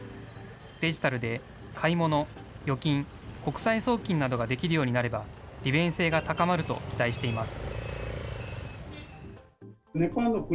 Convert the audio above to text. デジタルで買い物、預金、国際送金などができるようになれば、利便性が高まると期待しています。